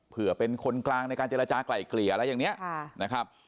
เพื่อเป็นคนกลางในการเจรจากลายเกลี่ยอะไรอย่างนี้นะครับ